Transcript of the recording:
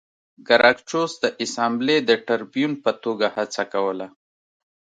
ګراکچوس د اسامبلې د ټربیون په توګه هڅه کوله